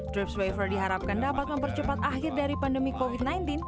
drive swaiver diharapkan dapat mempercepat akhir dari pandemi covid sembilan belas